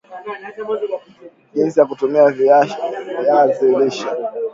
Jinsi ya kutumia viazi lishe